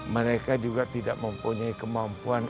mereka juga tidak mempunyai kemampuan